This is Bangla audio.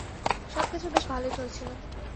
সবকিছু বেশ ভালোই চলছিল।